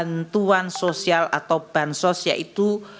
bantuan sosial atau bansos yaitu